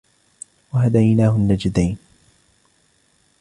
وَهَدَيْنَاهُ النَّجْدَيْنِ